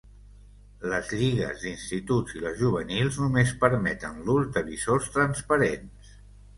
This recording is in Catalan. Les lligues d'instituts i les juvenils només permeten l'ús de visors transparents.